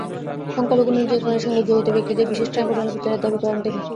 সংখ্যালঘু নির্যাতনের সঙ্গে জড়িত ব্যক্তিদের বিশেষ ট্রাইব্যুনালে বিচারের দাবি করেন তিনি।